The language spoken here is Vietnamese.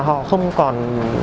họ không còn